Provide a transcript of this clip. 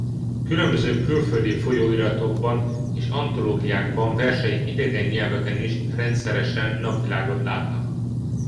Különböző külföldi folyóiratokban és antológiákban versei idegen nyelveken is rendszeresen napvilágot látnak.